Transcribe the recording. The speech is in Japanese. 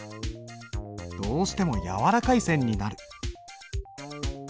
どうしても柔らかい線になる。